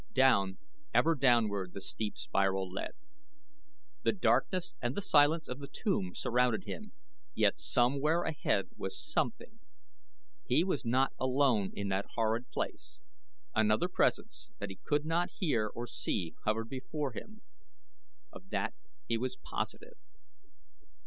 Down, ever downward the steep spiral led. The darkness and the silence of the tomb surrounded him, yet somewhere ahead was something. He was not alone in that horrid place another presence that he could not hear or see hovered before him of that he was positive.